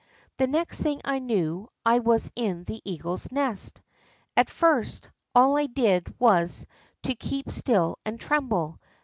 The next thing I knew, I was in the eagle's nest. At first, all I did was to keep still and tremble.